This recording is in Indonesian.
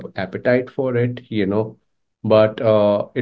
jadi saya pasti melihat keinginan untuk produk tersebut